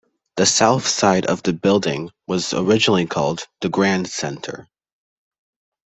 The south side of the building was originally called the Grand Center.